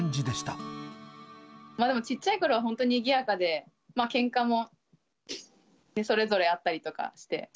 でもちっちゃいころは本当、にぎやかで、けんかもそれぞれあったりとかして。